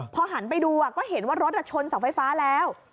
พอหันไปดูก็เห็นว่ารถชนเสาไฟฟ้าแล้ว